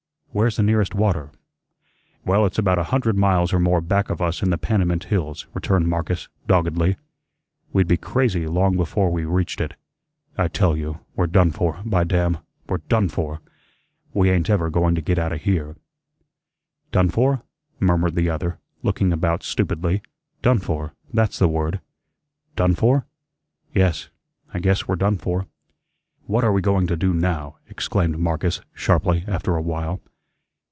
"Where's the nearest water?" "Well, it's about a hundred miles or more back of us in the Panamint hills," returned Marcus, doggedly. "We'd be crazy long before we reached it. I tell you, we're done for, by damn, we're DONE for. We ain't ever going to get outa here." "Done for?" murmured the other, looking about stupidly. "Done for, that's the word. Done for? Yes, I guess we're done for." "What are we going to do NOW?" exclaimed Marcus, sharply, after a while.